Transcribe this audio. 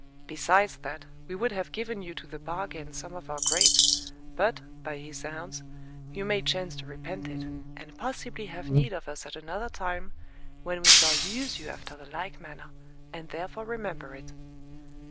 Besides that, we would have given you to the bargain some of our grapes, but, by his zounds, you may chance to repent it, and possibly have need of us at another time, when we shall use you after the like manner, and therefore remember it.